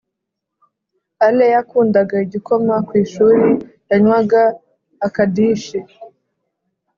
ale yakunda igikoma ku ishuri yanywaga akadishi